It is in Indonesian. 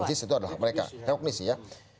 itu adalah mereka